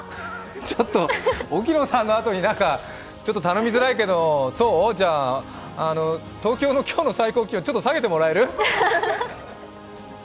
ちょっと、沖野さんのあとに頼みづらいけど、じゃあ東京の今日の最高気温、ちょっと下げてもらえる？